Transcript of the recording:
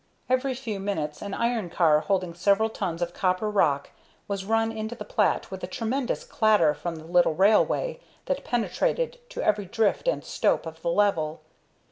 Every few minutes an iron car holding several tons of copper rock was run into the plat with a tremendous clatter from the little railway that penetrated to every "drift" and "stope" of the level.